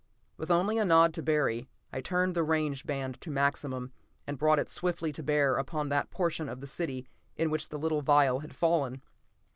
With only a nod to Barry, I turned the range band to maximum, and brought it swiftly to bear upon that portion of the city in which the little vial had fallen.